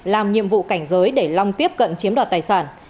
làm nhiệm vụ cảnh giới để long tiếp cận chiếm đoạt tài sản